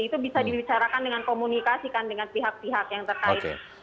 itu bisa dibicarakan dengan komunikasi kan dengan pihak pihak yang terkait